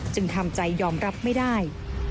ทำใจยอมรับไม่ได้